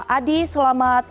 adi selamat malam